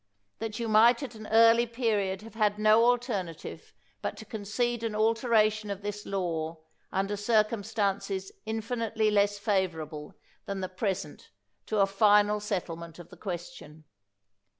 — that you might at an early period have had no alternative but to concede an alteration of this law under circumstances infinitely less favorable than the present to a final settlement of the question.